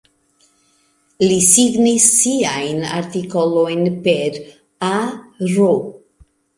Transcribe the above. Li signis siajn artikolojn per: "A R".